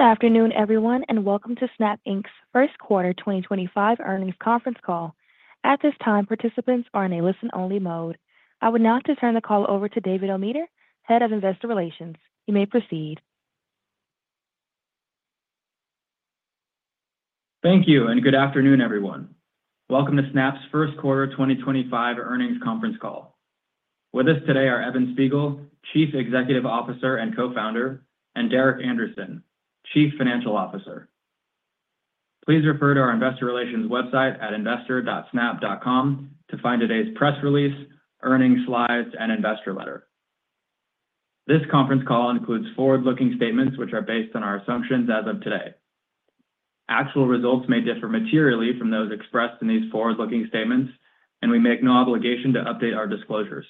Good afternoon, everyone, and welcome to Snap Inc.'s First Quarter 2025 Earnings Conference Call. At this time, participants are in a listen-only mode. I would now turn the call over to David Ometer, Head of Investor Relations. You may proceed. Thank you, and good afternoon, everyone. Welcome to Snap's First Quarter 2025 Earnings Conference Call. With us today are Evan Spiegel, Chief Executive Officer and Co-Founder, and Derek Andersen, Chief Financial Officer. Please refer to our investor relations website at investor.snap.com to find today's press release, earnings slides, and investor letter. This conference call includes forward-looking statements which are based on our assumptions as of today. Actual results may differ materially from those expressed in these forward-looking statements, and we make no obligation to update our disclosures.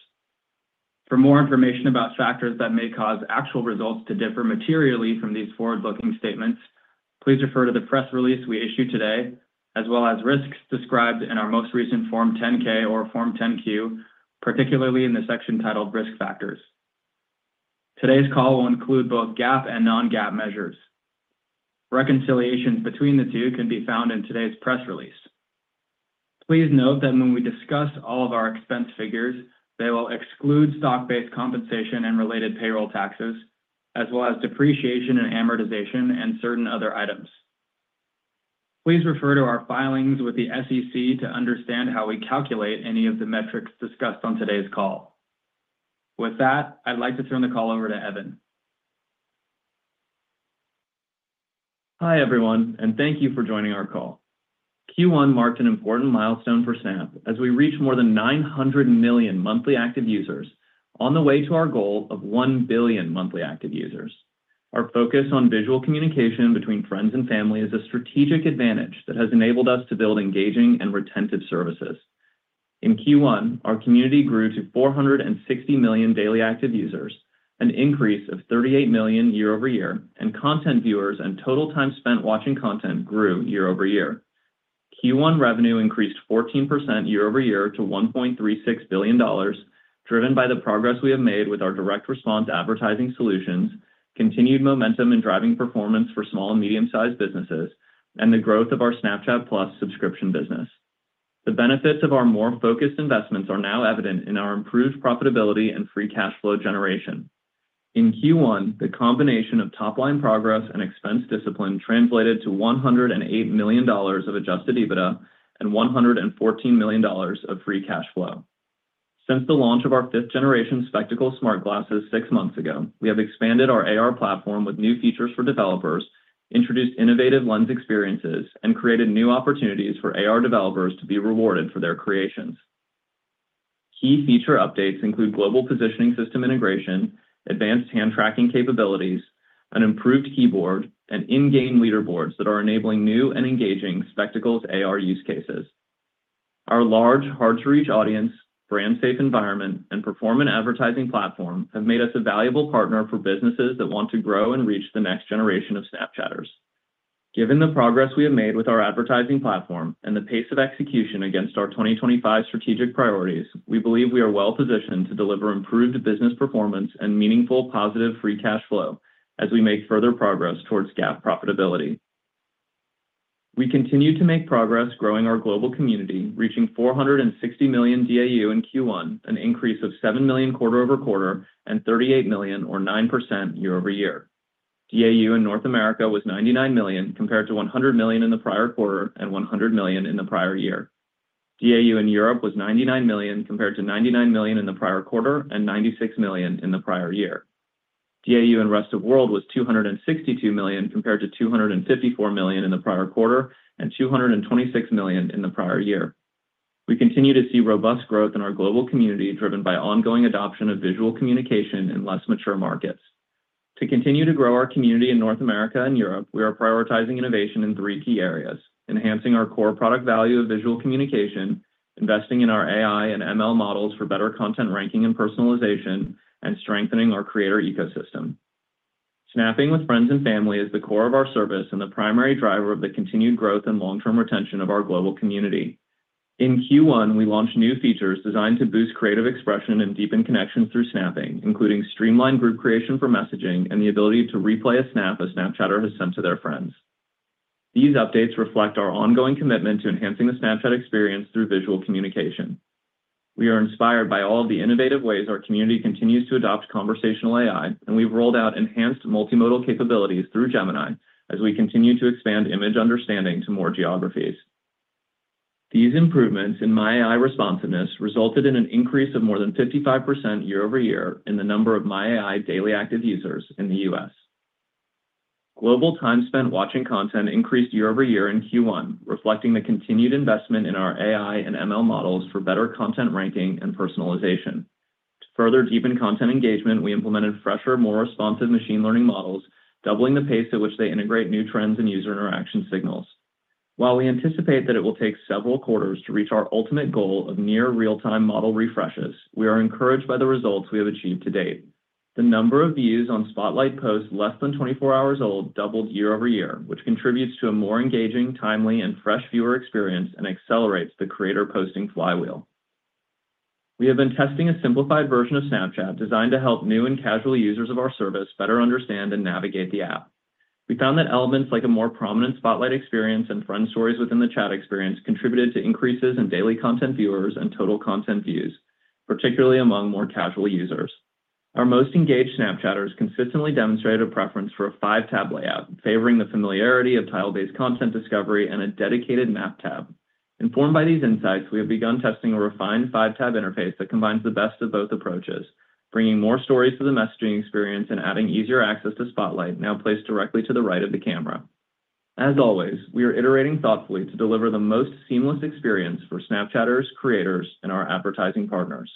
For more information about factors that may cause actual results to differ materially from these forward-looking statements, please refer to the press release we issued today, as well as risks described in our most recent Form 10-K or Form 10-Q, particularly in the section titled Risk Factors. Today's call will include both GAAP and non-GAAP measures. Reconciliations between the two can be found in today's press release. Please note that when we discuss all of our expense figures, they will exclude stock-based compensation and related payroll taxes, as well as depreciation and amortization and certain other items. Please refer to our filings with the SEC to understand how we calculate any of the metrics discussed on today's call. With that, I'd like to turn the call over to Evan. Hi, everyone, and thank you for joining our call. Q1 marked an important milestone for Snap as we reached more than 900 million monthly active users on the way to our goal of 1 billion monthly active users. Our focus on visual communication between friends and family is a strategic advantage that has enabled us to build engaging and retentive services. In Q1, our community grew to 460 million daily active users, an increase of 38 million year-over-year, and content viewers and total time spent watching content grew year-over-year. Q1 revenue increased 14% year-over-year to $1.36 billion, driven by the progress we have made with our direct response advertising solutions, continued momentum in driving performance for small and medium-sized businesses, and the growth of our Snapchat Plus subscription business. The benefits of our more focused investments are now evident in our improved profitability and free cash flow generation. In Q1, the combination of top-line progress and expense discipline translated to $108 million of adjusted EBITDA and $114 million of free cash flow. Since the launch of our fifth-generation Spectacles smart glasses six months ago, we have expanded our AR platform with new features for developers, introduced innovative lens experiences, and created new opportunities for AR developers to be rewarded for their creations. Key feature updates include global positioning system integration, advanced hand tracking capabilities, an improved keyboard, and in-game leaderboards that are enabling new and engaging Spectacles AR use cases. Our large, hard-to-reach audience, brand-safe environment, and performance advertising platform have made us a valuable partner for businesses that want to grow and reach the next generation of Snapchatters. Given the progress we have made with our advertising platform and the pace of execution against our 2025 strategic priorities, we believe we are well-positioned to deliver improved business performance and meaningful positive free cash flow as we make further progress towards GAAP profitability. We continue to make progress growing our global community, reaching 460 million DAU in Q1, an increase of 7 million quarter-over-quarter and 38 million, or 9% year-over-year. DAU in North America was 99 million compared to 100 million in the prior quarter and 100 million in the prior year. DAU in Europe was 99 million compared to 99 million in the prior quarter and 96 million in the prior year. DAU in the rest of the world was 262 million compared to 254 million in the prior quarter and 226 million in the prior year. We continue to see robust growth in our global community driven by ongoing adoption of visual communication in less mature markets. To continue to grow our community in North America and Europe, we are prioritizing innovation in three key areas: enhancing our core product value of visual communication, investing in our AI and ML models for better content ranking and personalization, and strengthening our creator ecosystem. Snapping with friends and family is the core of our service and the primary driver of the continued growth and long-term retention of our global community. In Q1, we launched new features designed to boost creative expression and deepen connections through snapping, including streamlined group creation for messaging and the ability to replay a snap a Snapchatter has sent to their friends. These updates reflect our ongoing commitment to enhancing the Snapchat experience through visual communication. We are inspired by all of the innovative ways our community continues to adopt conversational AI, and we've rolled out enhanced multimodal capabilities through Gemini as we continue to expand image understanding to more geographies. These improvements in My AI responsiveness resulted in an increase of more than 55% year-over-year in the number of My AI daily active users in the US. Global time spent watching content increased year-over-year in Q1, reflecting the continued investment in our AI and ML models for better content ranking and personalization. To further deepen content engagement, we implemented fresher, more responsive machine learning models, doubling the pace at which they integrate new trends and user interaction signals. While we anticipate that it will take several quarters to reach our ultimate goal of near real-time model refreshes, we are encouraged by the results we have achieved to date. The number of views on Spotlight posts less than 24 hours old doubled year-over-year, which contributes to a more engaging, timely, and fresh viewer experience and accelerates the creator posting flywheel. We have been testing a simplified version of Snapchat designed to help new and casual users of our service better understand and navigate the app. We found that elements like a more prominent Spotlight experience and friend stories within the chat experience contributed to increases in daily content viewers and total content views, particularly among more casual users. Our most engaged Snapchatters consistently demonstrated a preference for a five-tab layout, favoring the familiarity of tile-based content discovery and a dedicated map tab. Informed by these insights, we have begun testing a refined five-tab interface that combines the best of both approaches, bringing more stories to the messaging experience and adding easier access to Spotlight, now placed directly to the right of the camera. As always, we are iterating thoughtfully to deliver the most seamless experience for Snapchatters, creators, and our advertising partners.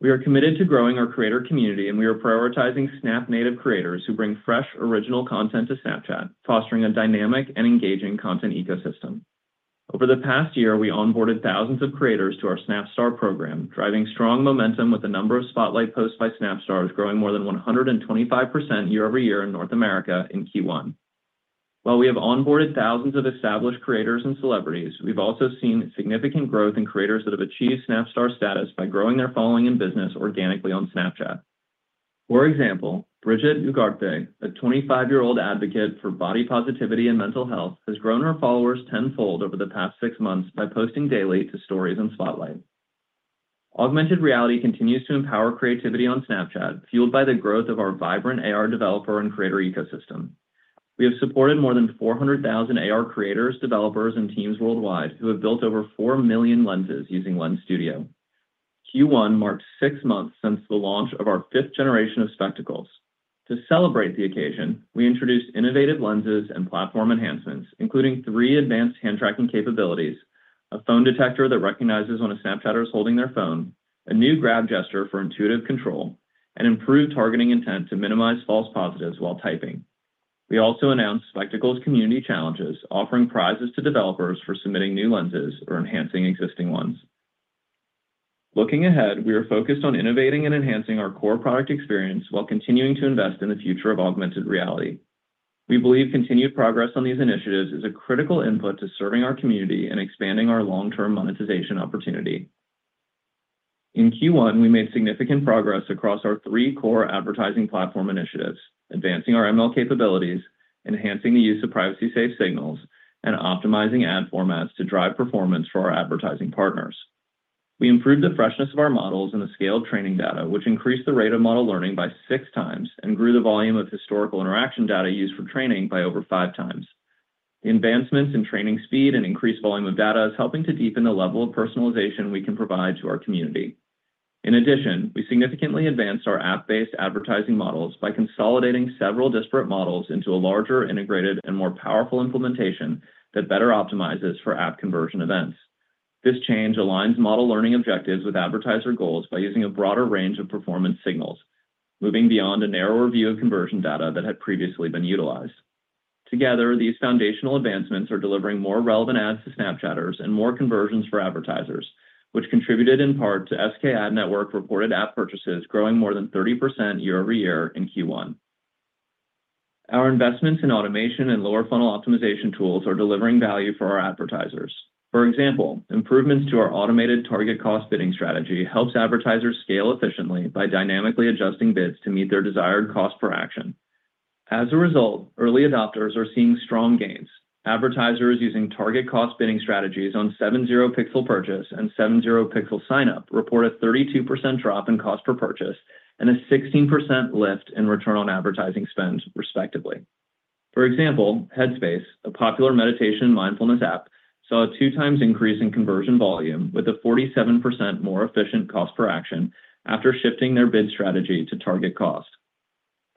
We are committed to growing our creator community, and we are prioritizing Snap-native creators who bring fresh, original content to Snapchat, fostering a dynamic and engaging content ecosystem. Over the past year, we onboarded thousands of creators to our Snap Star program, driving strong momentum with the number of Spotlight posts by Snapstars growing more than 125% year-over-year in North America in Q1. While we have onboarded thousands of established creators and celebrities, we've also seen significant growth in creators that have achieved Snap Star status by growing their following and business organically on Snapchat. For example, Bridgett Ugarte, a 25-year-old advocate for body positivity and mental health, has grown her followers tenfold over the past six months by posting daily to Stories and Spotlight. Augmented reality continues to empower creativity on Snapchat, fueled by the growth of our vibrant AR developer and creator ecosystem. We have supported more than 400,000 AR creators, developers, and teams worldwide who have built over 4 million lenses using Lens Studio. Q1 marked six months since the launch of our fifth generation of Spectacles. To celebrate the occasion, we introduced innovative lenses and platform enhancements, including three advanced hand tracking capabilities: a phone detector that recognizes when a Snapchatter is holding their phone, a new grab gesture for intuitive control, and improved targeting intent to minimize false positives while typing. We also announced Spectacles Community Challenges, offering prizes to developers for submitting new lenses or enhancing existing ones. Looking ahead, we are focused on innovating and enhancing our core product experience while continuing to invest in the future of augmented reality. We believe continued progress on these initiatives is a critical input to serving our community and expanding our long-term monetization opportunity. In Q1, we made significant progress across our three core advertising platform initiatives: advancing our ML capabilities, enhancing the use of privacy-safe signals, and optimizing ad formats to drive performance for our advertising partners. We improved the freshness of our models and the scale of training data, which increased the rate of model learning by six times and grew the volume of historical interaction data used for training by over five times. The advancements in training speed and increased volume of data are helping to deepen the level of personalization we can provide to our community. In addition, we significantly advanced our app-based advertising models by consolidating several disparate models into a larger, integrated, and more powerful implementation that better optimizes for app conversion events. This change aligns model learning objectives with advertiser goals by using a broader range of performance signals, moving beyond a narrower view of conversion data that had previously been utilized. Together, these foundational advancements are delivering more relevant ads to Snapchatters and more conversions for advertisers, which contributed in part to SKAdNetwork reported app purchases growing more than 30% year-over-year in Q1. Our investments in automation and lower funnel optimization tools are delivering value for our advertisers. For example, improvements to our automated target cost bidding strategy help advertisers scale efficiently by dynamically adjusting bids to meet their desired cost per action. As a result, early adopters are seeing strong gains. Advertisers using target cost bidding strategies on 7/0 pixel purchase and 7/0 pixel sign-up report a 32% drop in cost per purchase and a 16% lift in return on advertising spend, respectively. For example, Headspace, a popular meditation and mindfulness app, saw a two-times increase in conversion volume with a 47% more efficient cost per action after shifting their bid strategy to target cost.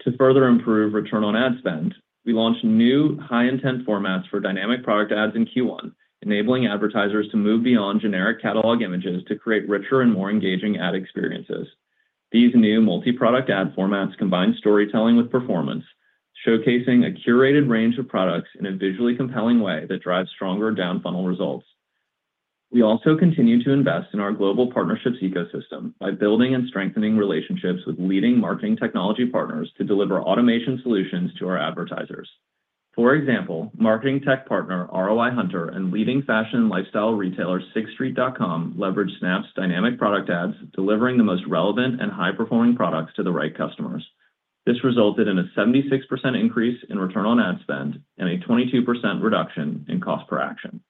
To further improve return on ad spend, we launched new high-intent formats for Dynamic Product Ads in Q1, enabling advertisers to move beyond generic catalog images to create richer and more engaging ad experiences. These new multi-product ad formats combine storytelling with performance, showcasing a curated range of products in a visually compelling way that drives stronger down-funnel results. We also continue to invest in our global partnerships ecosystem by building and strengthening relationships with leading marketing technology partners to deliver automation solutions to our advertisers. For example, marketing tech partner ROI Hunter and leading fashion and lifestyle retailer 6thStreet.com leverage Snap's Dynamic Product Ads, delivering the most relevant and high-performing products to the right customers. This resulted in a 76% increase in return on ad spend and a 22% reduction in cost per action.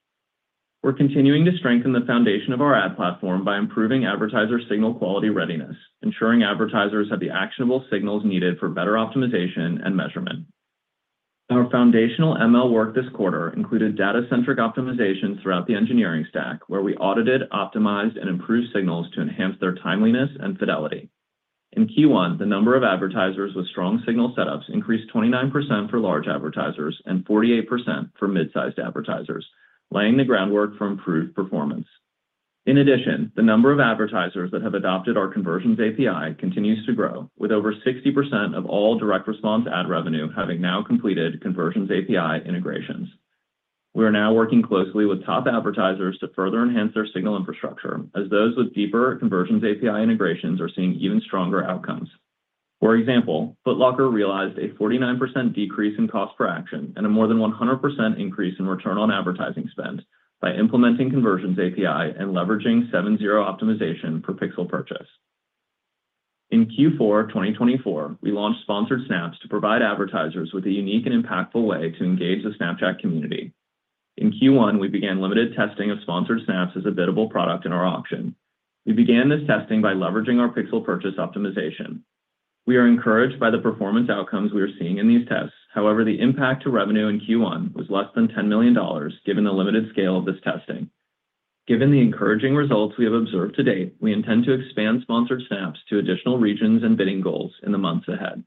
We're continuing to strengthen the foundation of our ad platform by improving advertiser signal quality readiness, ensuring advertisers have the actionable signals needed for better optimization and measurement. Our foundational ML work this quarter included data-centric optimizations throughout the engineering stack, where we audited, optimized, and improved signals to enhance their timeliness and fidelity. In Q1, the number of advertisers with strong signal setups increased 29% for large advertisers and 48% for mid-sized advertisers, laying the groundwork for improved performance. In addition, the number of advertisers that have adopted our Conversions API continues to grow, with over 60% of all direct response ad revenue having now completed Conversions API integrations. We are now working closely with top advertisers to further enhance their signal infrastructure, as those with deeper Conversions API integrations are seeing even stronger outcomes. For example, Foot Locker realized a 49% decrease in cost per action and a more than 100% increase in return on advertising spend by implementing Conversions API and leveraging 7/0 optimization per pixel purchase. In Q4 2024, we launched Sponsored Snaps to provide advertisers with a unique and impactful way to engage the Snapchat community. In Q1, we began limited testing of Sponsored Snaps as a biddable product in our auction. We began this testing by leveraging our pixel purchase optimization. We are encouraged by the performance outcomes we are seeing in these tests. However, the impact to revenue in Q1 was less than $10 million, given the limited scale of this testing. Given the encouraging results we have observed to date, we intend to expand Sponsored Snaps to additional regions and bidding goals in the months ahead.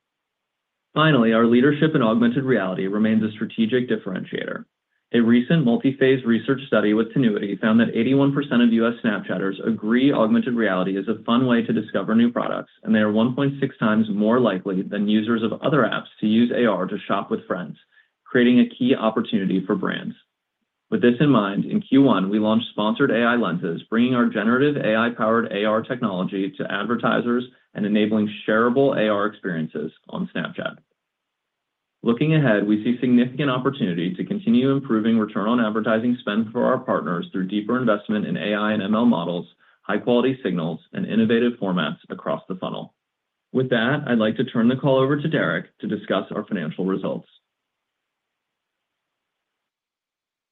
Finally, our leadership in augmented reality remains a strategic differentiator. A recent multi-phase research study with Tinuiti found that 81% of U.S. Snapchatters agree augmented reality is a fun way to discover new products, and they are 1.6 times more likely than users of other apps to use AR to shop with friends, creating a key opportunity for brands. With this in mind, in Q1, we launched Sponsored AI Lenses, bringing our generative AI-powered AR technology to advertisers and enabling shareable AR experiences on Snapchat. Looking ahead, we see significant opportunity to continue improving return on advertising spend for our partners through deeper investment in AI and ML models, high-quality signals, and innovative formats across the funnel. With that, I'd like to turn the call over to Derek to discuss our financial results.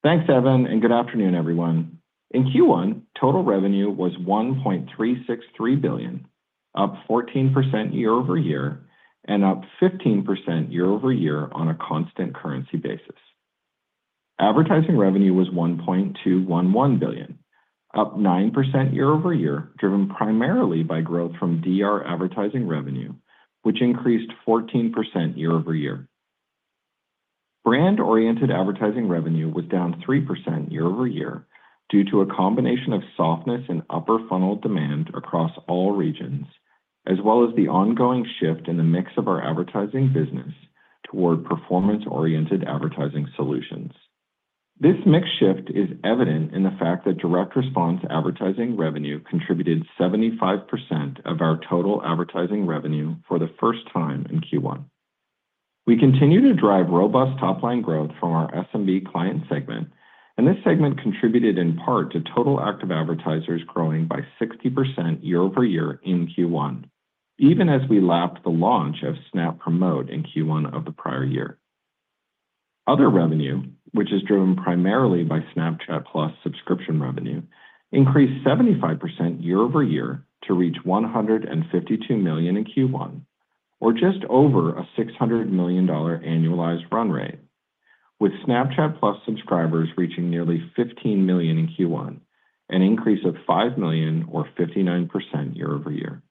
Thanks, Evan, and good afternoon, everyone. In Q1, total revenue was $1.363 billion, up 14% year-over-year and up 15% year-over-year on a constant currency basis. Advertising revenue was $1.211 billion, up 9% year-over-year, driven primarily by growth from DR advertising revenue, which increased 14% year-over-year. Brand-oriented advertising revenue was down 3% year-over-year due to a combination of softness in upper funnel demand across all regions, as well as the ongoing shift in the mix of our advertising business toward performance-oriented advertising solutions. This mix shift is evident in the fact that direct response advertising revenue contributed 75% of our total advertising revenue for the first time in Q1. We continue to drive robust top-line growth from our SMB client segment, and this segment contributed in part to total active advertisers growing by 60% year-over-year in Q1, even as we lapped the launch of Snap Promote in Q1 of the prior year. Other revenue, which is driven primarily by Snapchat Plus subscription revenue, increased 75% year-over-year to reach $152 million in Q1, or just over a $600 million annualized run rate, with Snapchat Plus subscribers reaching nearly 15 million in Q1, an increase of 5 million, or 59% year-over-year.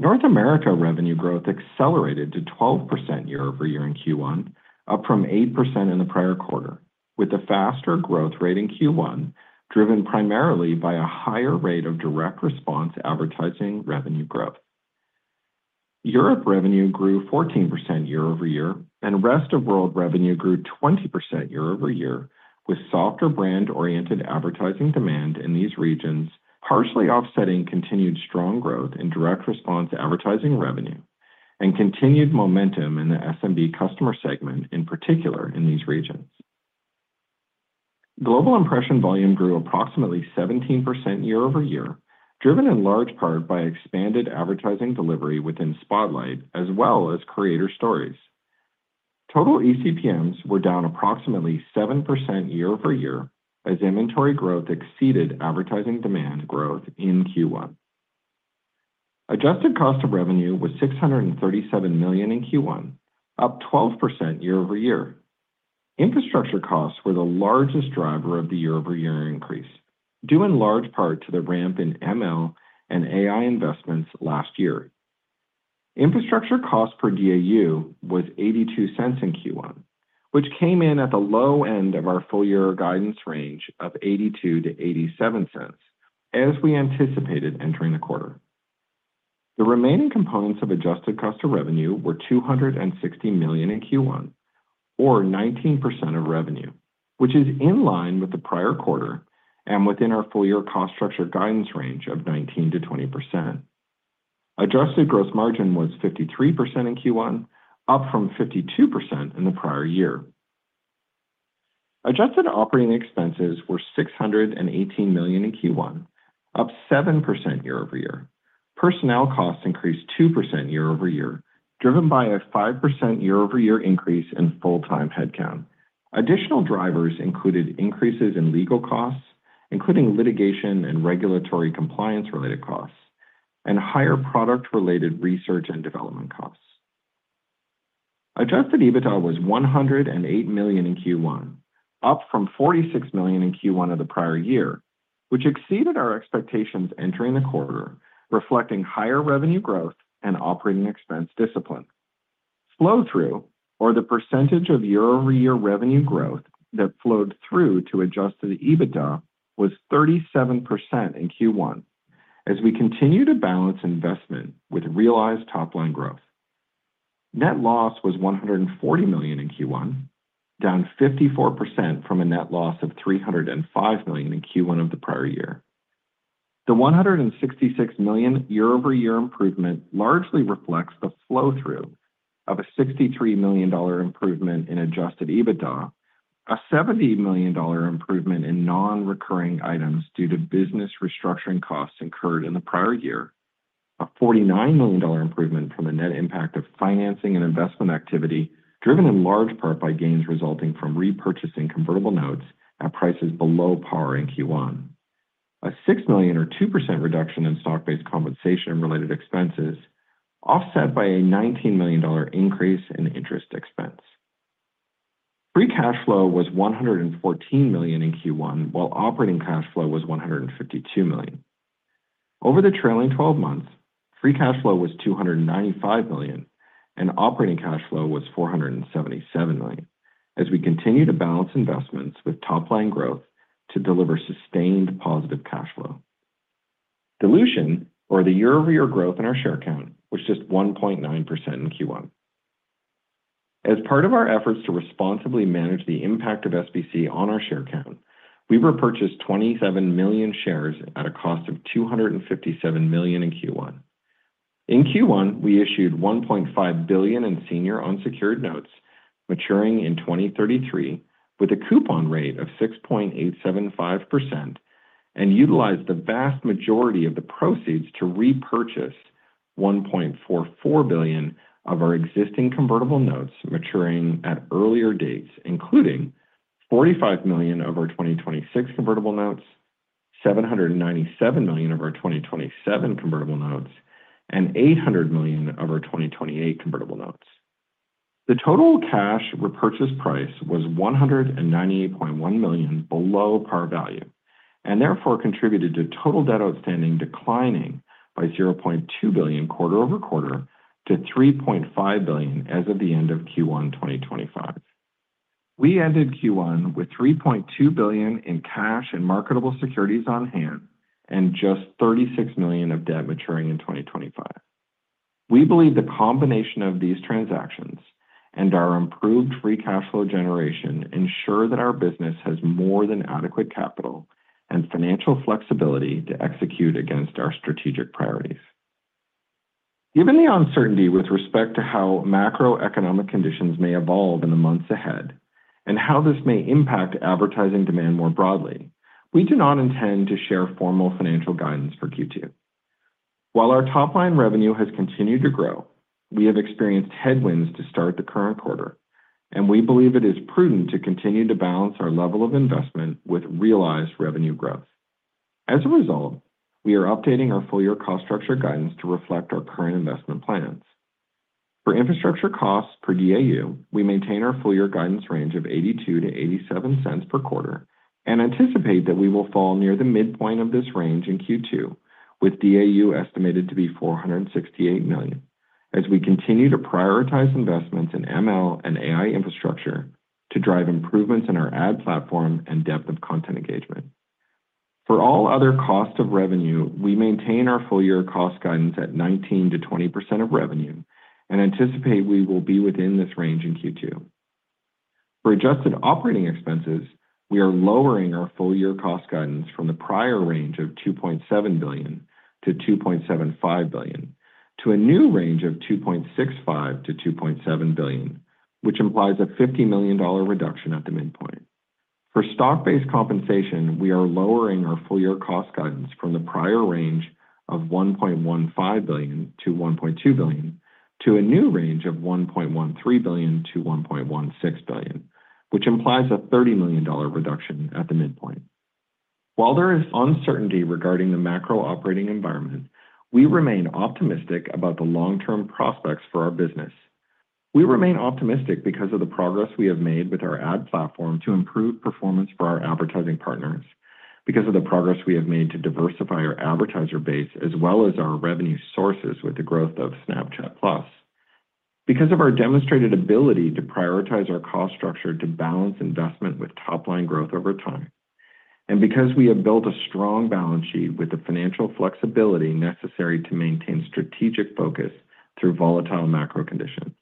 North America revenue growth accelerated to 12% year-over-year in Q1, up from 8% in the prior quarter, with a faster growth rate in Q1 driven primarily by a higher rate of direct response advertising revenue growth. Europe revenue grew 14% year-over-year, and rest of world revenue grew 20% year-over-year, with softer brand-oriented advertising demand in these regions, partially offsetting continued strong growth in direct response advertising revenue and continued momentum in the SMB customer segment, in particular in these regions. Global impression volume grew approximately 17% year-over-year, driven in large part by expanded advertising delivery within Spotlight, as well as creator stories. Total ECPMs were down approximately 7% year-over-year as inventory growth exceeded advertising demand growth in Q1. Adjusted cost of revenue was $637 million in Q1, up 12% year-over-year. Infrastructure costs were the largest driver of the year-over-year increase, due in large part to the ramp in ML and AI investments last year. Infrastructure cost per DAU was $0.82 in Q1, which came in at the low end of our full-year guidance range of $0.82-$0.87, as we anticipated entering the quarter. The remaining components of adjusted customer revenue were $260 million in Q1, or 19% of revenue, which is in line with the prior quarter and within our full-year cost structure guidance range of 19%-20%. Adjusted gross margin was 53% in Q1, up from 52% in the prior year. Adjusted operating expenses were $618 million in Q1, up 7% year-over-year. Personnel costs increased 2% year-over-year, driven by a 5% year-over-year increase in full-time headcount. Additional drivers included increases in legal costs, including litigation and regulatory compliance-related costs, and higher product-related research and development costs. Adjusted EBITDA was $108 million in Q1, up from $46 million in Q1 of the prior year, which exceeded our expectations entering the quarter, reflecting higher revenue growth and operating expense discipline. Flow-through, or the percentage of year-over-year revenue growth that flowed through to adjusted EBITDA, was 37% in Q1, as we continued to balance investment with realized top-line growth. Net loss was $140 million in Q1, down 54% from a net loss of $305 million in Q1 of the prior year. The $166 million year-over-year improvement largely reflects the flow-through of a $63 million improvement in adjusted EBITDA, a $70 million improvement in non-recurring items due to business restructuring costs incurred in the prior year, a $49 million improvement from the net impact of financing and investment activity, driven in large part by gains resulting from repurchasing convertible notes at prices below par in Q1, a $6 million, or 2% reduction in stock-based compensation-related expenses, offset by a $19 million increase in interest expense. Free cash flow was $114 million in Q1, while operating cash flow was $152 million. Over the trailing 12 months, free cash flow was $295 million, and operating cash flow was $477 million, as we continue to balance investments with top-line growth to deliver sustained positive cash flow. Dilution, or the year-over-year growth in our share count, was just 1.9% in Q1. As part of our efforts to responsibly manage the impact of SBC on our share count, we repurchased 27 million shares at a cost of $257 million in Q1. In Q1, we issued $1.5 billion in senior unsecured notes, maturing in 2033, with a coupon rate of 6.875%, and utilized the vast majority of the proceeds to repurchase $1.44 billion of our existing convertible notes, maturing at earlier dates, including $45 million of our 2026 convertible notes, $797 million of our 2027 convertible notes, and $800 million of our 2028 convertible notes. The total cash repurchase price was $198.1 million below par value, and therefore contributed to total debt outstanding declining by $0.2 billion quarter-over-quarter to $3.5 billion as of the end of Q1 2025. We ended Q1 with $3.2 billion in cash and marketable securities on hand and just $36 million of debt maturing in 2025. We believe the combination of these transactions and our improved free cash flow generation ensure that our business has more than adequate capital and financial flexibility to execute against our strategic priorities. Given the uncertainty with respect to how macroeconomic conditions may evolve in the months ahead and how this may impact advertising demand more broadly, we do not intend to share formal financial guidance for Q2. While our top-line revenue has continued to grow, we have experienced headwinds to start the current quarter, and we believe it is prudent to continue to balance our level of investment with realized revenue growth. As a result, we are updating our full-year cost structure guidance to reflect our current investment plans. For infrastructure costs per DAU, we maintain our full-year guidance range of $0.82-$0.87 per quarter and anticipate that we will fall near the midpoint of this range in Q2, with DAU estimated to be 468 million, as we continue to prioritize investments in ML and AI infrastructure to drive improvements in our ad platform and depth of content engagement. For all other cost of revenue, we maintain our full-year cost guidance at 19%-20% of revenue and anticipate we will be within this range in Q2. For adjusted operating expenses, we are lowering our full-year cost guidance from the prior range of $2.7-$2.75 billion to a new range of $2.65-$2.7 billion, which implies a $50 million reduction at the midpoint. For stock-based compensation, we are lowering our full-year cost guidance from the prior range of $1.15-$1.2 billion to a new range of $1.13-$1.16 billion, which implies a $30 million reduction at the midpoint. While there is uncertainty regarding the macro operating environment, we remain optimistic about the long-term prospects for our business. We remain optimistic because of the progress we have made with our ad platform to improve performance for our advertising partners, because of the progress we have made to diversify our advertiser base as well as our revenue sources with the growth of Snapchat Plus, because of our demonstrated ability to prioritize our cost structure to balance investment with top-line growth over time, and because we have built a strong balance sheet with the financial flexibility necessary to maintain strategic focus through volatile macro conditions.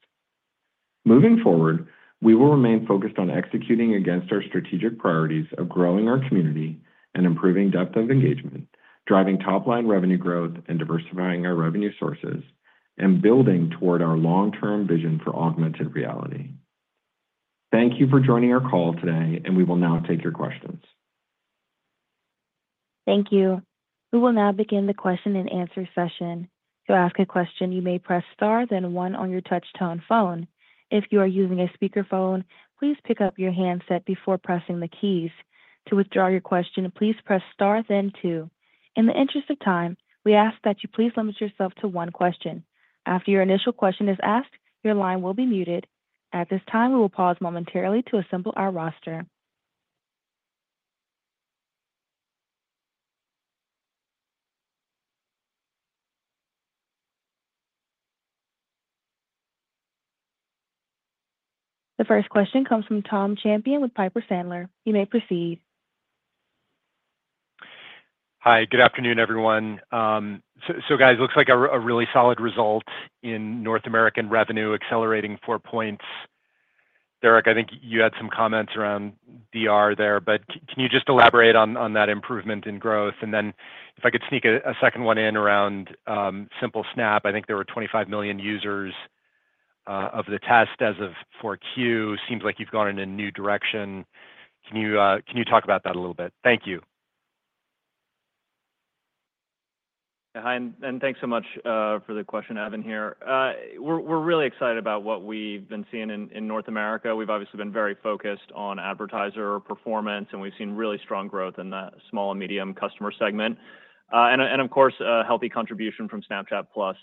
Moving forward, we will remain focused on executing against our strategic priorities of growing our community and improving depth of engagement, driving top-line revenue growth and diversifying our revenue sources, and building toward our long-term vision for augmented reality. Thank you for joining our call today, and we will now take your questions. Thank you. We will now begin the question-and-answer session. To ask a question, you may press Star, then one on your touch-tone phone. If you are using a speakerphone, please pick up your handset before pressing the keys. To withdraw your question, please press Star, then two. In the interest of time, we ask that you please limit yourself to one question. After your initial question is asked, your line will be muted. At this time, we will pause momentarily to assemble our roster. The first question comes from Tom Champion with Piper Sandler. You may proceed. Hi. Good afternoon, everyone. Guys, it looks like a really solid result in North American revenue accelerating four points. Derek, I think you had some comments around DR there, but can you just elaborate on that improvement in growth? If I could sneak a second one in around Simple Snap, I think there were 25 million users of the test as of 4Q. Seems like you've gone in a new direction. Can you talk about that a little bit? Thank you. Hi, and thanks so much for the question, Evan here. We're really excited about what we've been seeing in North America. We've obviously been very focused on advertiser performance, and we've seen really strong growth in the small and medium customer segment, and of course, a healthy contribution from Snapchat Plus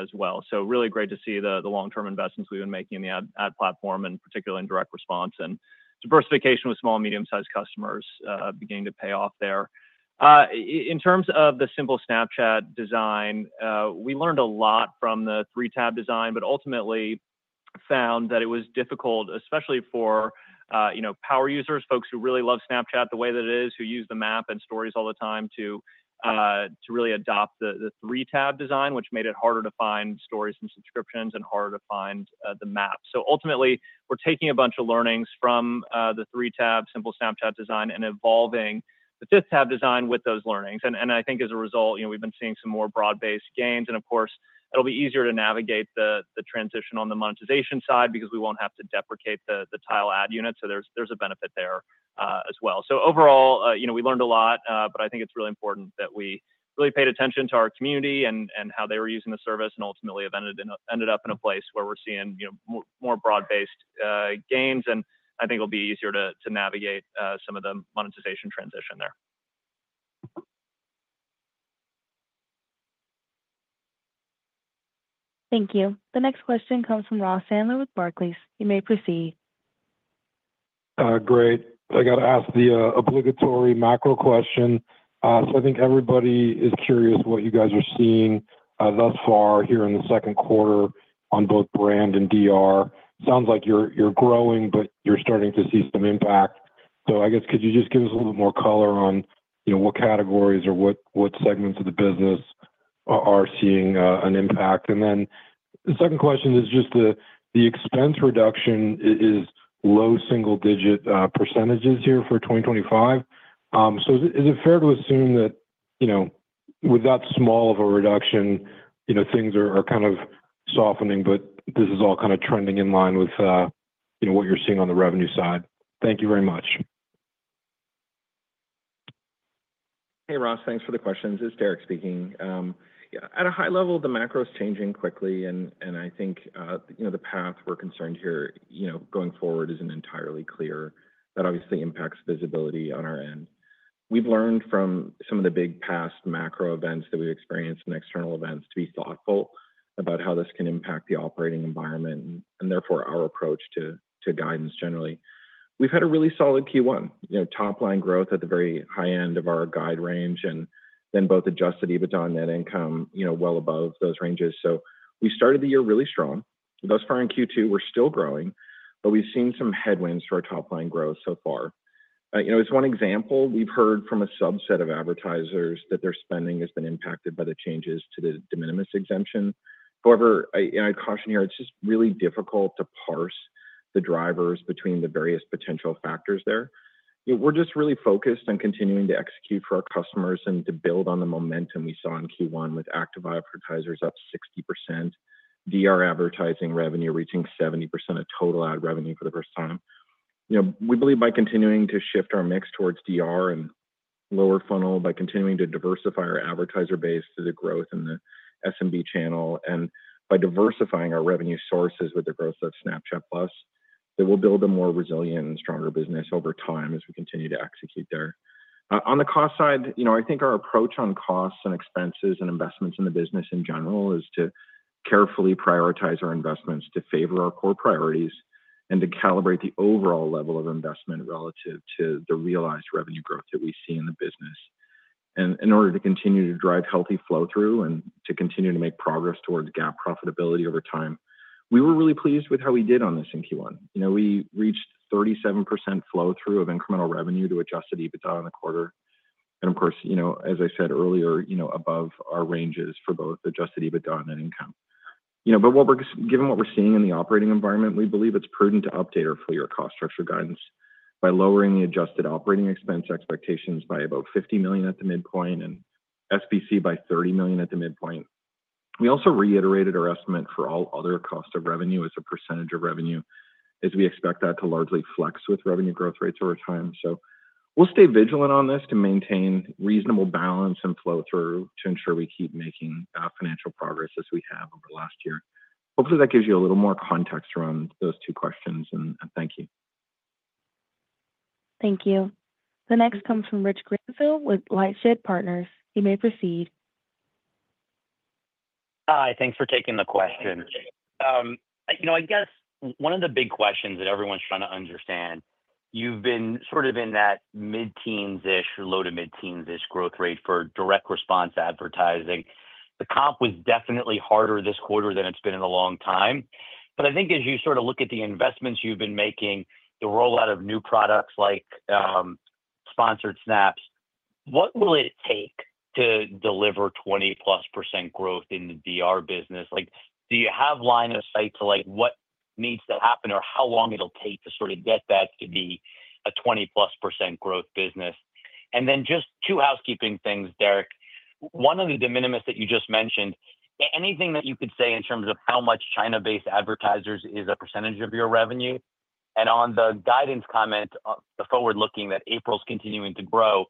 as well. Really great to see the long-term investments we've been making in the ad platform, and particularly in direct response and diversification with small and medium-sized customers beginning to pay off there. In terms of the Simple Snapchat design, we learned a lot from the three-tab design, but ultimately found that it was difficult, especially for power users, folks who really love Snapchat the way that it is, who use the map and stories all the time to really adopt the three-tab design, which made it harder to find stories and subscriptions and harder to find the map. Ultimately, we're taking a bunch of learnings from the three-tab Simple Snapchat design and evolving the fifth-tab design with those learnings. I think as a result, we've been seeing some more broad-based gains. Of course, it'll be easier to navigate the transition on the monetization side because we won't have to deprecate the tile ad unit. There's a benefit there as well. Overall, we learned a lot, but I think it's really important that we really paid attention to our community and how they were using the service and ultimately ended up in a place where we're seeing more broad-based gains. I think it'll be easier to navigate some of the monetization transition there. Thank you. The next question comes from Ross Sandler with Barclays. You may proceed. Great. I got to ask the obligatory macro question. I think everybody is curious what you guys are seeing thus far here in the second quarter on both brand and DR. Sounds like you're growing, but you're starting to see some impact. I guess, could you just give us a little bit more color on what categories or what segments of the business are seeing an impact? The second question is just the expense reduction is low single-digit percentages here for 2025. Is it fair to assume that with that small of a reduction, things are kind of softening, but this is all kind of trending in line with what you're seeing on the revenue side? Thank you very much. Hey, Ross. Thanks for the questions. It's Derek speaking. At a high level, the macro is changing quickly, and I think the path we're concerned here going forward isn't entirely clear. That obviously impacts visibility on our end. We've learned from some of the big past macro events that we've experienced and external events to be thoughtful about how this can impact the operating environment and therefore our approach to guidance generally. We've had a really solid Q1, top-line growth at the very high end of our guide range, and then both adjusted EBITDA and net income well above those ranges. We started the year really strong. Thus far in Q2, we're still growing, but we've seen some headwinds for our top-line growth so far. As one example, we've heard from a subset of advertisers that their spending has been impacted by the changes to the de minims exemption. However, I caution here, it's just really difficult to parse the drivers between the various potential factors there. We're just really focused on continuing to execute for our customers and to build on the momentum we saw in Q1 with active advertisers up 60%, DR advertising revenue reaching 70% of total ad revenue for the first time. We believe by continuing to shift our mix towards DR and lower funnel, by continuing to diversify our advertiser base through the growth in the SMB channel, and by diversifying our revenue sources with the growth of Snapchat Plus, that we'll build a more resilient and stronger business over time as we continue to execute there. On the cost side, I think our approach on costs and expenses and investments in the business in general is to carefully prioritize our investments to favor our core priorities and to calibrate the overall level of investment relative to the realized revenue growth that we see in the business. In order to continue to drive healthy flow-through and to continue to make progress towards GAAP profitability over time, we were really pleased with how we did on this in Q1. We reached 37% flow-through of incremental revenue to adjusted EBITDA in the quarter. Of course, as I said earlier, above our ranges for both adjusted EBITDA and net income. Given what we're seeing in the operating environment, we believe it's prudent to update our full-year cost structure guidance by lowering the adjusted operating expense expectations by about $50 million at the midpoint and SBC by $30 million at the midpoint. We also reiterated our estimate for all other costs of revenue as a percentage of revenue as we expect that to largely flex with revenue growth rates over time. We'll stay vigilant on this to maintain reasonable balance and flow-through to ensure we keep making financial progress as we have over the last year. Hopefully, that gives you a little more context around those two questions. Thank you. Thank you. The next comes from Rich Greenfield with LightShed Partners. You may proceed. Hi. Thanks for taking the question. I guess one of the big questions that everyone's trying to understand. You've been sort of in that mid-teens-ish, low to mid-teens-ish growth rate for direct response advertising. The comp was definitely harder this quarter than it's been in a long time. I think as you sort of look at the investments you've been making, the rollout of new products like Sponsored Snaps, what will it take to deliver 20-plus % growth in the DR business? Do you have line of sight to what needs to happen or how long it'll take to sort of get that to be a 20+% growth business? Then just two housekeeping things, Derek. One of the de minims that you just mentioned, anything that you could say in terms of how much China-based advertisers is a percentage of your revenue? On the guidance comment, the forward-looking that April's continuing to grow,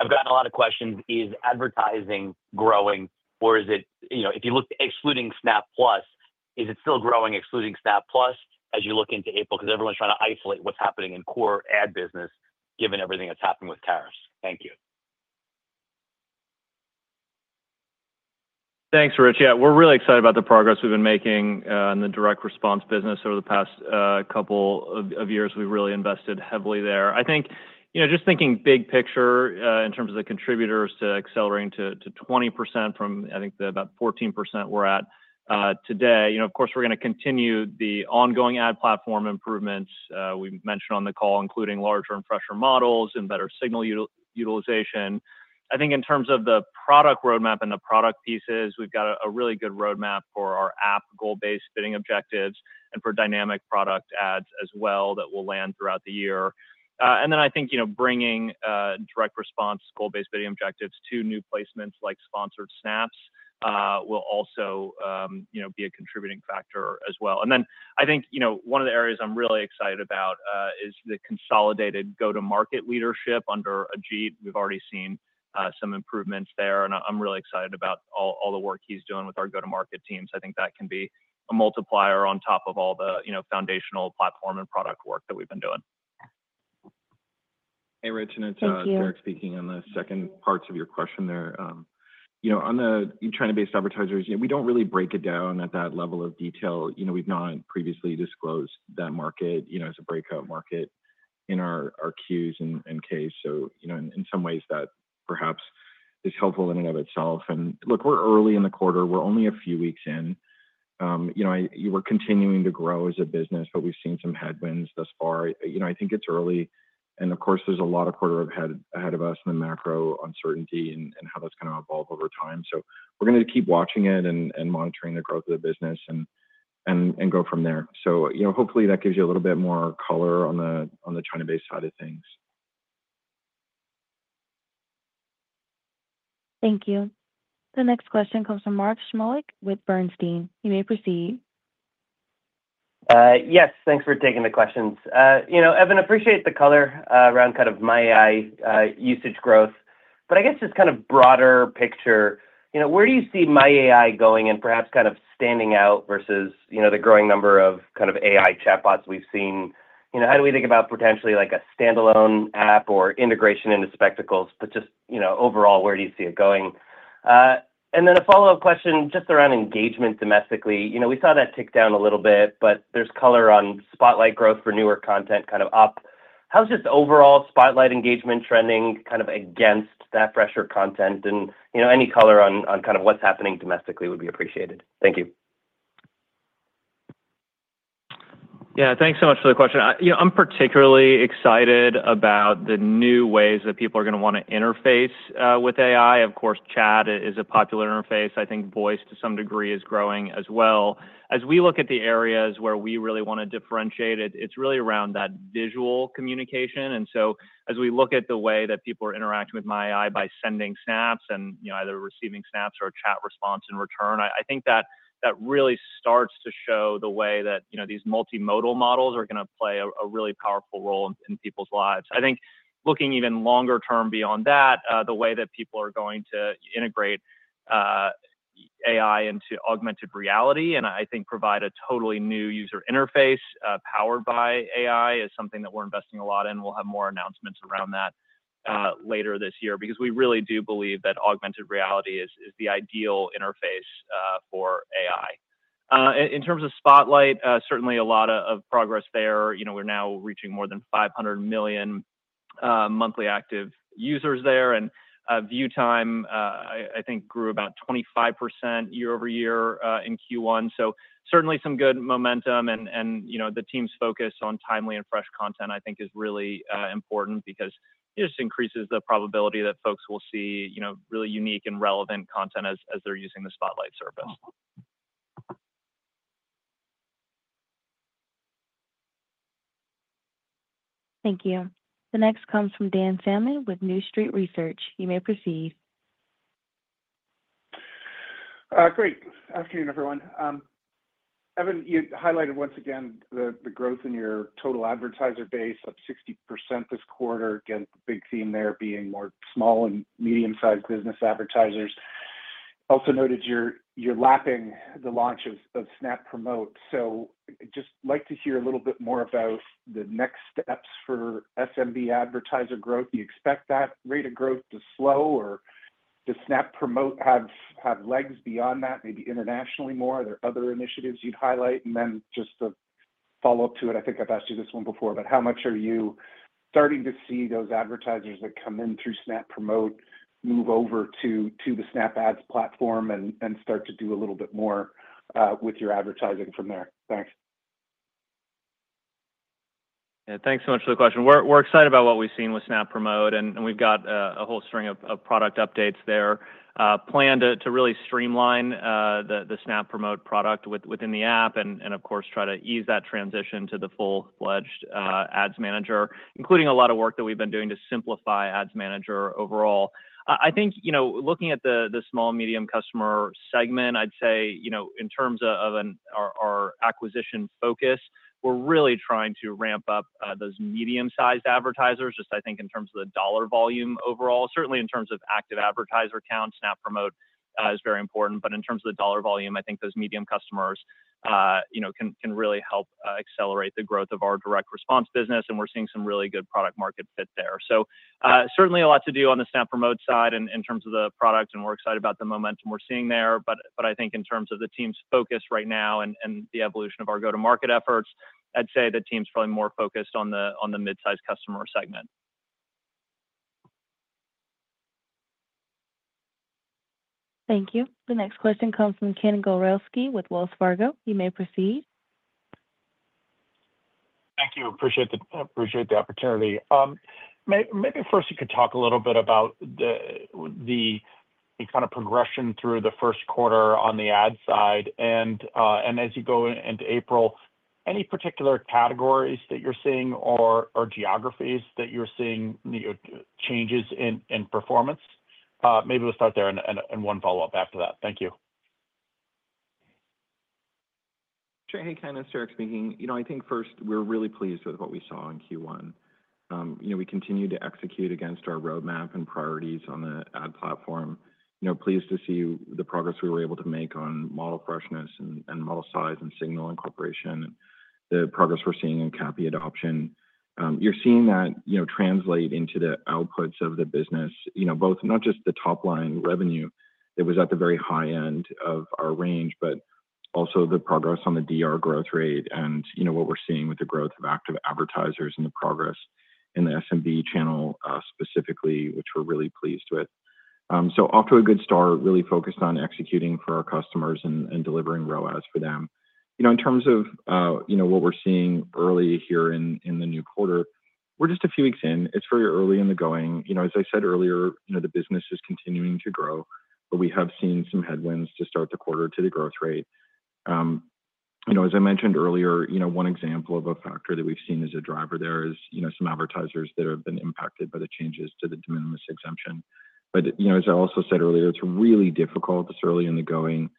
I've gotten a lot of questions. Is advertising growing? Or is it, if you look excluding Snap Plus, is it still growing excluding Snap Plus as you look into April? Because everyone's trying to isolate what's happening in core ad business given everything that's happened with tariffs. Thank you. Thanks, Rich. Yeah, we're really excited about the progress we've been making in the direct response business over the past couple of years. We've really invested heavily there. I think just thinking big picture in terms of the contributors to accelerating to 20% from, I think, the about 14% we're at today. Of course, we're going to continue the ongoing ad platform improvements we mentioned on the call, including larger and fresher models and better signal utilization. I think in terms of the product roadmap and the product pieces, we've got a really good roadmap for our app Goal-Based Bidding objectives and for dynamic product ads as well that will land throughout the year. I think bringing direct response Goal-Based Bidding objectives to new placements like Sponsored Snaps will also be a contributing factor as well. I think one of the areas I'm really excited about is the consolidated go-to-market leadership under Ajit. We've already seen some improvements there. I'm really excited about all the work he's doing with our go-to-market teams. I think that can be a multiplier on top of all the foundational platform and product work that we've been doing. Hey, Rich. It's Derek speaking on the second parts of your question there. On the China-based advertisers, we don't really break it down at that level of detail. We've not previously disclosed that market as a breakout market in our queues and case. In some ways, that perhaps is helpful in and of itself. Look, we're early in the quarter. We're only a few weeks in. We're continuing to grow as a business, but we've seen some headwinds thus far. I think it's early. Of course, there's a lot of quarter ahead of us and the macro uncertainty and how that's going to evolve over time. We're going to keep watching it and monitoring the growth of the business and go from there. Hopefully, that gives you a little bit more color on the China-based side of things. Thank you. The next question comes from Mark Shmulik with Bernstein. You may proceed. Yes. Thanks for taking the questions. Evan, appreciate the color around kind of My AI usage growth. I guess just kind of broader picture, where do you see My AI going and perhaps kind of standing out versus the growing number of kind of AI chatbots we've seen? How do we think about potentially a standalone app or integration into Spectacles? Just overall, where do you see it going? A follow-up question just around engagement domestically. We saw that tick down a little bit, but there's color on Spotlight growth for newer content kind of up. How's just overall Spotlight engagement trending kind of against that fresher content? Any color on kind of what's happening domestically would be appreciated. Thank you. Yeah. Thanks so much for the question. I'm particularly excited about the new ways that people are going to want to interface with AI. Of course, chat is a popular interface. I think voice to some degree is growing as well. As we look at the areas where we really want to differentiate it, it's really around that visual communication. As we look at the way that people are interacting with My AI by sending Snaps and either receiving Snaps or chat response in return, I think that really starts to show the way that these multimodal models are going to play a really powerful role in people's lives. I think looking even longer term beyond that, the way that people are going to integrate AI into augmented reality and I think provide a totally new user interface powered by AI is something that we're investing a lot in. We'll have more announcements around that later this year because we really do believe that augmented reality is the ideal interface for AI. In terms of Spotlight, certainly a lot of progress there. We're now reaching more than 500 million monthly active users there. View time, I think, grew about 25% year-over-year in Q1. Certainly some good momentum. The team's focus on timely and fresh content, I think, is really important because it just increases the probability that folks will see really unique and relevant content as they're using the Spotlight service. Thank you. The next comes from Dan Salmon with New Street Research. You may proceed. Great. Afternoon, everyone. Evan, you highlighted once again the growth in your total advertiser base of 60% this quarter, again, big theme there being more small and medium-sized business advertisers. Also noted you're lapping the launch of Snap Promote. I'd just like to hear a little bit more about the next steps for SMB advertiser growth. Do you expect that rate of growth to slow or does Snap Promote have legs beyond that, maybe internationally more? Are there other initiatives you'd highlight? Then just a follow-up to it. I think I've asked you this one before, but how much are you starting to see those advertisers that come in through Snap Promote move over to the Snap Ads platform and start to do a little bit more with your advertising from there? Thanks. Yeah. Thanks so much for the question. We're excited about what we've seen with Snap Promote, and we've got a whole string of product updates there. Plan to really streamline the Snap Promote product within the app and, of course, try to ease that transition to the full-fledged Ads Manager, including a lot of work that we've been doing to simplify Ads Manager overall. I think looking at the small-medium customer segment, I'd say in terms of our acquisition focus, we're really trying to ramp up those medium-sized advertisers, just I think in terms of the dollar volume overall. Certainly in terms of active advertiser count, Snap Promote is very important. In terms of the dollar volume, I think those medium customers can really help accelerate the growth of our direct response business, and we're seeing some really good product-market fit there. Certainly a lot to do on the Snap Promote side in terms of the product, and we're excited about the momentum we're seeing there. I think in terms of the team's focus right now and the evolution of our go-to-market efforts, I'd say the team's probably more focused on the mid-sized customer segment. Thank you. The next question comes from Ken Gawrelski with Wells Fargo. You may proceed. Thank you. Appreciate the opportunity. Maybe first you could talk a little bit about the kind of progression through the first quarter on the ad side. As you go into April, any particular categories that you're seeing or geographies that you're seeing changes in performance? Maybe we'll start there and one follow-up after that. Thank you. Sure. Hey, Ken, it's Derek speaking. I think first, we're really pleased with what we saw in Q1. We continue to execute against our roadmap and priorities on the ad platform. Pleased to see the progress we were able to make on model freshness and model size and signal incorporation and the progress we're seeing in CAPI adoption. You're seeing that translate into the outputs of the business, both not just the top-line revenue that was at the very high end of our range, but also the progress on the DR growth rate and what we're seeing with the growth of active advertisers and the progress in the SMB channel specifically, which we're really pleased with. Off to a good start, really focused on executing for our customers and delivering ROAS for them. In terms of what we're seeing early here in the new quarter, we're just a few weeks in. It's very early in the going. As I said earlier, the business is continuing to grow, but we have seen some headwinds to start the quarter to the growth rate. As I mentioned earlier, one example of a factor that we've seen as a driver there is some advertisers that have been impacted by the changes to the de minims exemption. As I also said earlier, it's really difficult, it's early in the going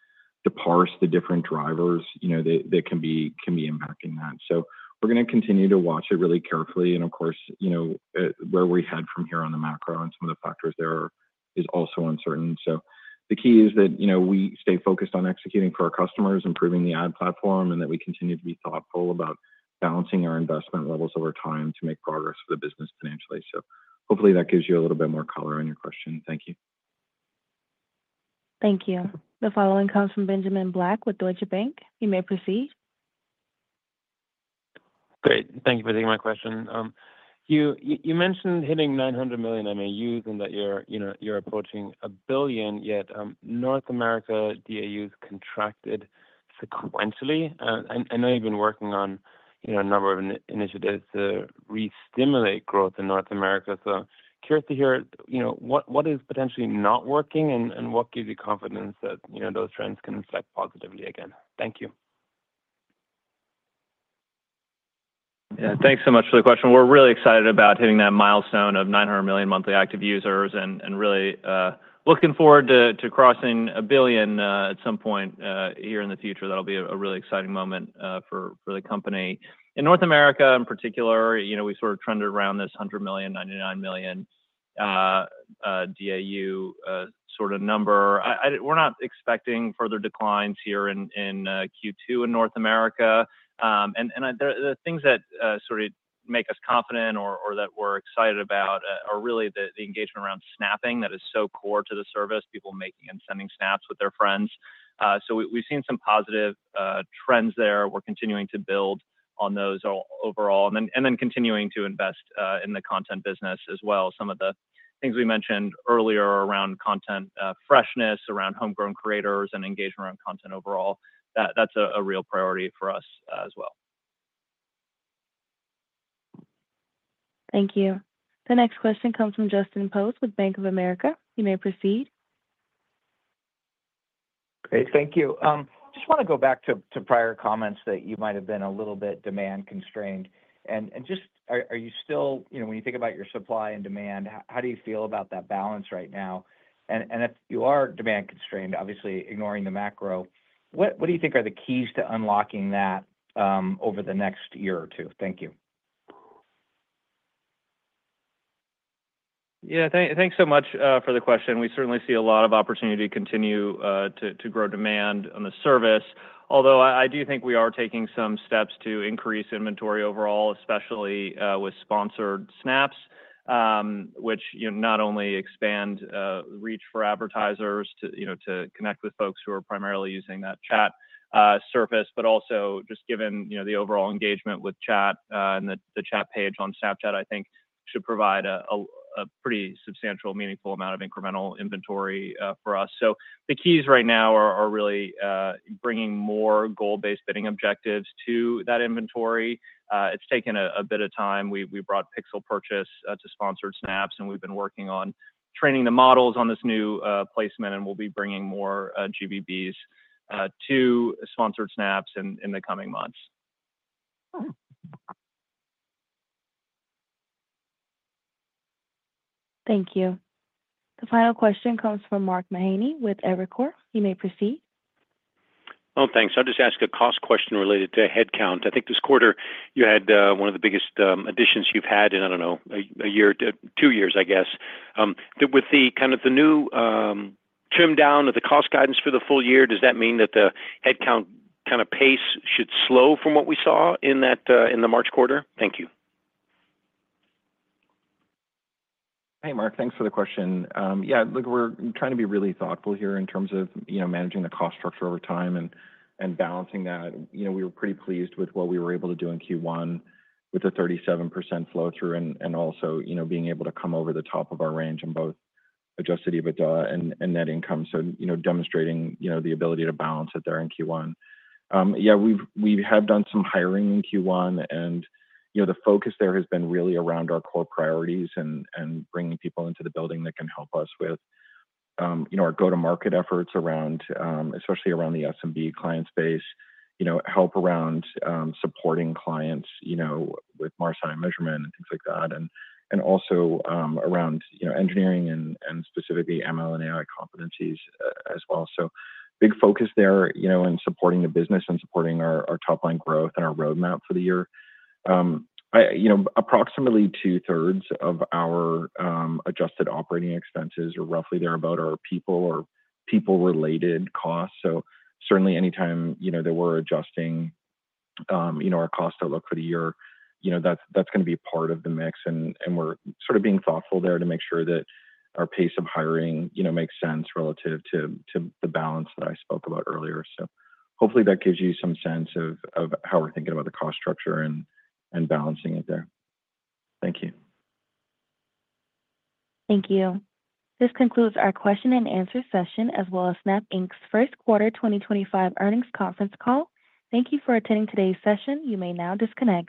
to parse the different drivers that can be impacting that. We are going to continue to watch it really carefully. Of course, where we head from here on the macro and some of the factors there is also uncertain. The key is that we stay focused on executing for our customers, improving the ad platform, and that we continue to be thoughtful about balancing our investment levels over time to make progress for the business financially. Hopefully that gives you a little bit more color on your question. Thank you. Thank you. The following comes from Benjamin Black with Deutsche Bank. You may proceed. Great. Thank you for taking my question. You mentioned hitting 900 million MAUs and that you're approaching a billion, yet North America DAUs contracted sequentially. I know you've been working on a number of initiatives to re-stimulate growth in North America. Curious to hear what is potentially not working and what gives you confidence that those trends can reflect positively again. Thank you. Yeah. Thanks so much for the question. We're really excited about hitting that milestone of 900 million monthly active users and really looking forward to crossing a billion at some point here in the future. That will be a really exciting moment for the company. In North America, in particular, we sort of trended around this 100 million, 99 million DAU sort of number. We're not expecting further declines here in Q2 in North America. The things that sort of make us confident or that we're excited about are really the engagement around snapping that is so core to the service, people making and sending snaps with their friends. We've seen some positive trends there. We're continuing to build on those overall and then continuing to invest in the content business as well. Some of the things we mentioned earlier around content freshness, around homegrown creators, and engagement around content overall, that's a real priority for us as well. Thank you. The next question comes from Justin Post with Bank of America. You may proceed. Great. Thank you. Just want to go back to prior comments that you might have been a little bit demand-constrained. Are you still, when you think about your supply and demand, how do you feel about that balance right now? If you are demand-constrained, obviously ignoring the macro, what do you think are the keys to unlocking that over the next year or two? Thank you. Yeah. Thanks so much for the question. We certainly see a lot of opportunity to continue to grow demand on the service. Although I do think we are taking some steps to increase inventory overall, especially with Sponsored Snaps, which not only expand reach for advertisers to connect with folks who are primarily using that chat surface, but also just given the overall engagement with chat and the chat page on Snapchat, I think should provide a pretty substantial, meaningful amount of incremental inventory for us. The keys right now are really bringing more Goal-Based Bidding objectives to that inventory. It's taken a bit of time. We brought Pixel Purchase to Sponsored Snaps, and we've been working on training the models on this new placement, and we'll be bringing more GBBs to Sponsored Snaps in the coming months. Thank you. The final question comes from Mark Mahaney with Evercore. You may proceed. Oh, thanks. I'll just ask a cost question related to headcount. I think this quarter you had one of the biggest additions you've had in, I don't know, a year to two years, I guess. With kind of the new trim down of the cost guidance for the full year, does that mean that the headcount kind of pace should slow from what we saw in the March quarter? Thank you. Hey, Mark. Thanks for the question. Yeah. Look, we're trying to be really thoughtful here in terms of managing the cost structure over time and balancing that. We were pretty pleased with what we were able to do in Q1 with a 37% flow-through and also being able to come over the top of our range in both adjusted EBITDA and net income. Demonstrating the ability to balance it there in Q1. Yeah. We have done some hiring in Q1, and the focus there has been really around our core priorities and bringing people into the building that can help us with our go-to-market efforts, especially around the SMB client base, help around supporting clients with margin measurement and things like that, and also around engineering and specifically ML and AI competencies as well. A big focus there in supporting the business and supporting our top-line growth and our roadmap for the year. Approximately two-thirds of our adjusted operating expenses are roughly thereabout our people or people-related costs. Certainly anytime that we're adjusting our cost to look for the year, that's going to be part of the mix. We're sort of being thoughtful there to make sure that our pace of hiring makes sense relative to the balance that I spoke about earlier. Hopefully that gives you some sense of how we're thinking about the cost structure and balancing it there. Thank you. Thank you. This concludes our question and answer session as well as Snap's first quarter 2025 earnings conference call. Thank you for attending today's session. You may now disconnect.